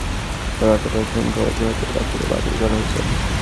কোথাও কোথাও প্রত্যাহারে বাধ্য করা অথবা ঠুনকো অজুহাতে প্রার্থিতা বাতিল করা হয়েছে।